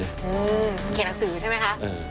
เขียนหนังสือใช่ไหมคะ